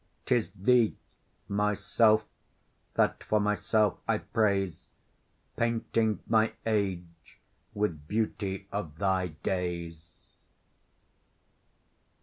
'Tis thee, myself, that for myself I praise, Painting my age with beauty of thy days.